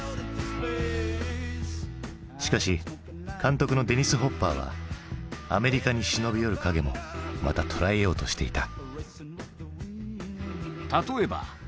しかし監督のデニス・ホッパーはアメリカに忍び寄る影もまた捉えようとしていた。